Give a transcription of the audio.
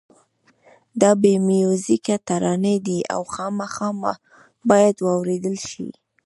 دا بې میوزیکه ترانې دي او خامخا باید واورېدل شي.